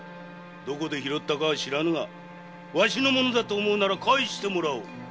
どこで拾ったか知らぬがわしのものなら返してもらおう。